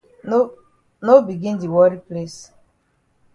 No begin di worry place.